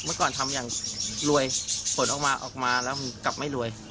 เมื่อก่อนทำอย่างรวยผลออกมาออกมาแล้วกลับไม่รวย